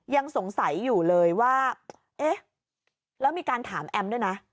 ยังสงสัยอยู่เลยว่าเอ๊ะแล้วมีการถามแอมด้วยนะ